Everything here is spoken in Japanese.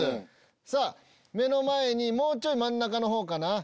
さぁ目の前にもうちょい真ん中の方かな。